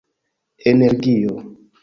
energio